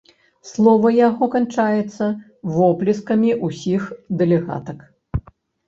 Слова яго канчаецца воплескамі ўсіх дэлегатак.